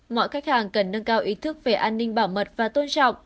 mọi khách hàng cần nâng cao ý thức về an ninh bảo mật và tôn trọng